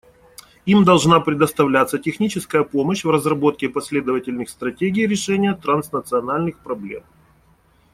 Им должна предоставляться техническая помощь в разработке последовательных стратегий решения транснациональных проблем.